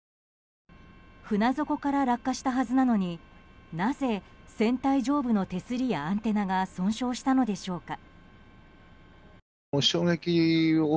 船底から落下したはずなのになぜ船体上部の手すりやアンテナが損傷したのでしょうか。